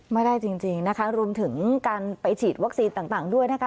ไม่ได้จริงนะคะรวมถึงการไปฉีดวัคซีนต่างด้วยนะคะ